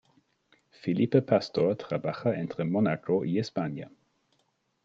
Philippe Pastor trabaja entre Mónaco y España.